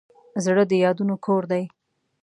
زړه د یادونو کور دی.